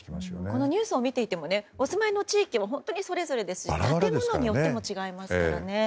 このニュースを見ていてもお住まいの地域もそれぞれですし建物によっても違いますからね。